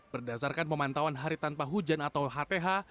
berdasarkan pemantauan hari tanpa hujan atau hth